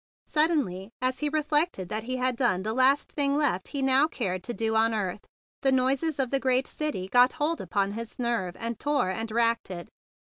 Suddenly, as he reflected that he had done the last thing there was left that he now cared to do on earth, the noises of the great city got hold upon his nerve, and tore and racked it.